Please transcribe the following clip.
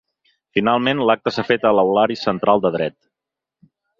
Finalment, l’acte s’ha fet a l’aulari central de Dret.